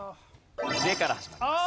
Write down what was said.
「デ」から始まります。